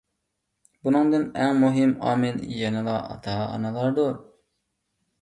بۇنىڭدىكى ئەڭ مۇھىم ئامىل يەنىلا ئاتا-ئانىلاردۇر.